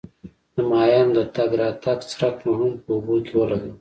د ماهیانو د تګ راتګ څرک مو هم په اوبو کې ولګاوه.